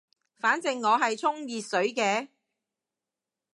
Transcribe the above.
反正我係沖熱水嘅